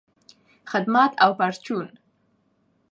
خدمت او پرچون